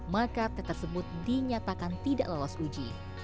maka t tersebut dinyatakan tidak lolos uji